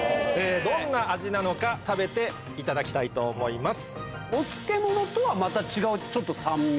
どんな味なのか食べていただきたいと思います。